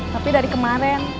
tapi dari kemarin